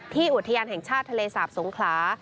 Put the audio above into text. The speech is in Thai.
อุทยานแห่งชาติทะเลสาบสงขลา